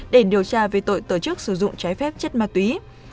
để điều tra về tội tổ chức sử dụng trái phép chất ma túy